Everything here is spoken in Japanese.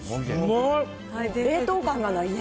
冷凍感がないね。